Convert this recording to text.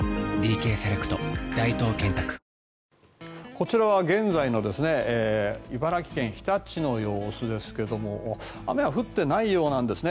こちらは現在の茨城県日立市の様子ですが雨は降っていないようなんですね。